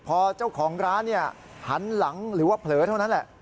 พอเจ้าของร้านหันหลังหรือว่าเผลอเท่านั้นแหละ